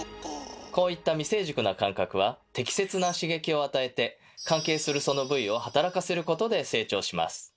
こういった未成熟な感覚は適切な刺激を与えて関係するその部位を働かせることで成長します。